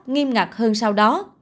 nghiêm ngặt hơn sau đó